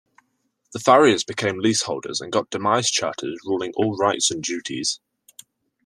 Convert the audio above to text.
The farriers became leaseholders and got demise charters ruling all rights and duties.